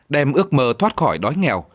đem ước mơ thoát khỏi đói nghèo